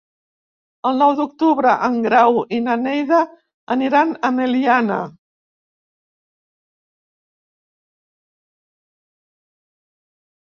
El nou d'octubre en Grau i na Neida aniran a Meliana.